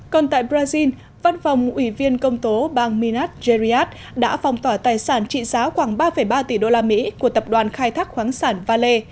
còn tại brazil văn phòng ủy viên công tố bang minas geriat đã phong tỏa tài sản trị giá khoảng ba ba tỷ usd của tập đoàn khai thác khoáng sản vale